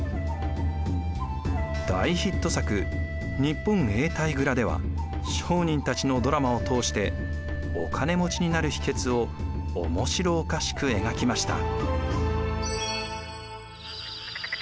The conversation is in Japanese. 大ヒット作「日本永代蔵」では商人たちのドラマを通してお金持ちになる秘けつを面白おかしく描きました。